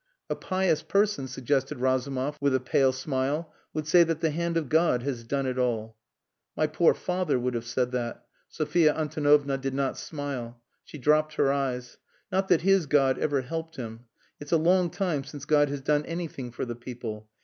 "A pious person," suggested Razumov, with a pale smile, "would say that the hand of God has done it all." "My poor father would have said that." Sophia Antonovna did not smile. She dropped her eyes. "Not that his God ever helped him. It's a long time since God has done anything for the people.